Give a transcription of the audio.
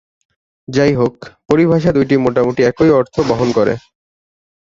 যাই হোক, পরিভাষা দুইটি মোটামুটি একই অর্থ বহন করে।